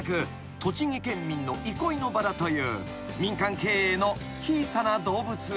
栃木県民の憩いの場だという民間経営の小さな動物園］